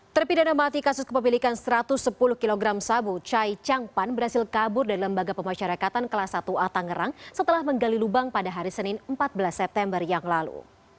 terpidana mati kasus kepemilikan satu ratus sepuluh kg sabu chai changpan berhasil kabur dari lembaga pemasyarakatan kelas satu a tangerang setelah menggali lubang pada hari senin empat belas september yang lalu